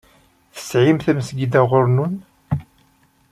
Tesɛim tamezgida ɣur-nnun?